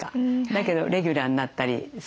だけどレギュラーになったりするんですね